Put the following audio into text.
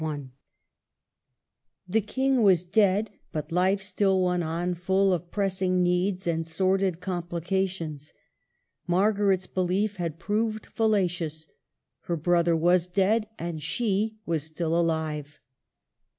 t The King was dead ; but life still went on full of pressing needs and sordid complications. Mar garet's belief had proved fallacious : her brother was dead and she was still alive.